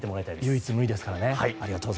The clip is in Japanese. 唯一無二ですからね。